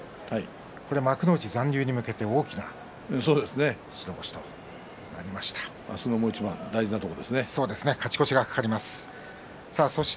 幕内残留に向けては大きな白星ということになりました。